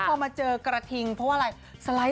พอมาเจอกระทิงเพราะว่าอะไรสไลด์